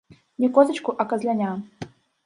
Не козачку, а казляня.